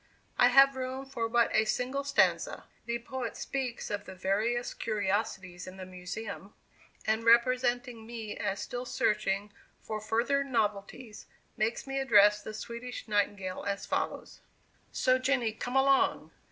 I have room for but a single stanza. The poet speaks of the various curiosities in the Museum, and representing me as still searching for further novelties, makes me address the Swedish Nightingale as follows: "So Jenny, come along!